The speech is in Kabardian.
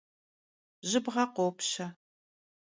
Jıbğe khopşe.